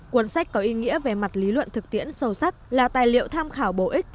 cuốn sách có ý nghĩa về mặt lý luận thực tiễn sâu sắc là tài liệu tham khảo bổ ích